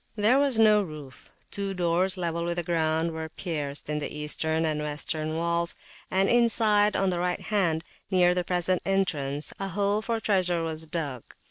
There was no roof; two doors, level with the ground, were pierced in the Eastern and Western walls; and inside, on the right hand, near the present entrance, a hole for treasure was dug.